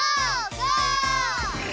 ゴー！